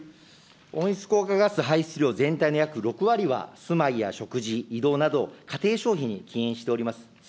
温室効果ガス排出量全体の約６割は、住まいや食事、移動など、家庭消費に起因しております。